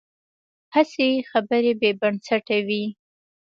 هسې خبرې بې بنسټه وي.